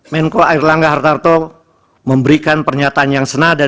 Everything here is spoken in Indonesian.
menko air langga hartarto memberikan pernyataan yang senang